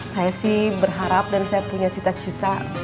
saya sih berharap dan saya punya cita cita